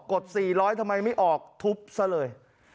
ด๔๐๐ทำไมไม่ออกทุบซะเลย